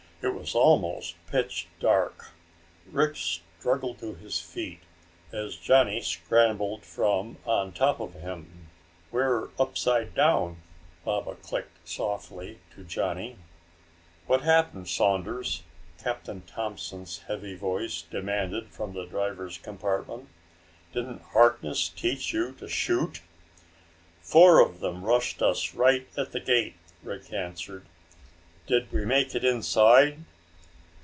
It was almost pitch dark. Rick struggled to his feet as Johnny scrambled from on top of him. "We're upside down," Baba clicked softly to Johnny. "What happened, Saunders?" Captain Thompson's heavy voice demanded from the driver's compartment. "Didn't Harkness teach you to shoot?" "Four of them rushed us right at the gate," Rick answered. "Did we make it inside?"